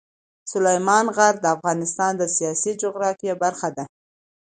سلیمان غر د افغانستان د سیاسي جغرافیه برخه ده.